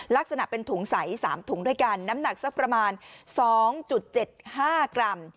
ลักษณะเป็นถุงใส๓ถุงด้วยกันน้ำหนักสักประมาณ๒๗๕กรัม